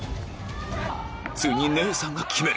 ついに姉さんが決める